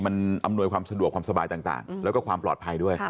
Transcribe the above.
มันอำนวยความสะดวกความสบายต่างแล้วก็ความปลอดภัยด้วย